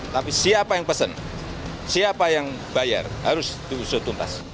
tapi siapa yang pesen siapa yang bayar harus diusut tuntas